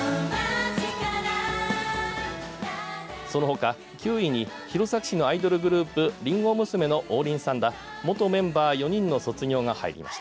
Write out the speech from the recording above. そのほか９位に弘前市のアイドルグループりんご娘の王林さんら元メンバー４人の卒業が入りました。